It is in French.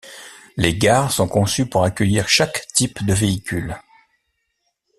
Les gares sont conçues pour accueillir chaque type de véhicules.